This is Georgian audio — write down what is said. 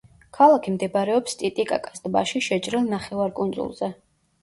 ქალაქი მდებარეობს ტიტიკაკას ტბაში შეჭრილ ნახევარკუნძულზე.